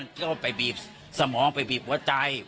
ที่เขาไปบีบสมองไปบีบหัวใจ